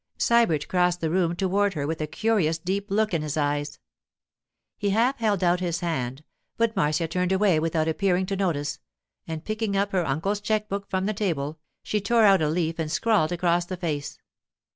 Sybert crossed the room toward her with a curious deep look in his eyes. He half held out his hand, but Marcia turned away without appearing to notice, and picking up her uncle's cheque book from the table, she tore out a leaf and scrawled across the face.